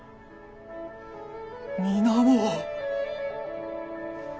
皆も。